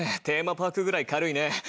テーマパークぐらい明るいね。